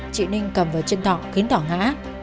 trị ninh cầm vào chân thỏa khiến thỏa ngã